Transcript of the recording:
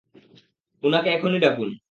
উনাকে এখনই ডাকুন।